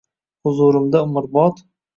Huzurimda umrbod…»